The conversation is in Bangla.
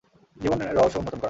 জীবনের রহস্য উন্মোচন করা!